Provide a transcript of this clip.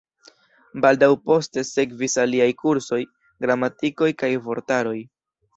Baldaŭ poste sekvis aliaj kursoj, gramatikoj kaj vortaroj.